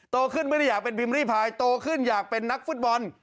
โตขึ้นไม่ได้อยากเป็นพิมพ์รีพายโตขึ้นอยากเป็นนักฟุตบอล